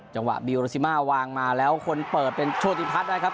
จังหวะบิโรซิมาวางมาแล้วคนเปิดเป็นโชติพัฒน์ด้วยครับ